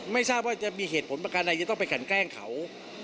ไม่ทราบว่าจะมีเหตุผลประการใดจะต้องไปกันแกล้งเขา